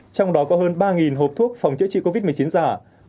trong đó có hơn ba hộp thuốc phòng chữa trị covid một mươi chín giả